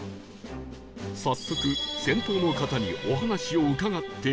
早速先頭の方にお話を伺ってみると